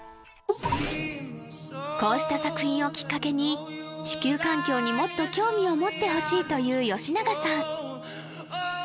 こうした作品をきっかけに地球環境にもっと興味を持ってほしいという吉永さん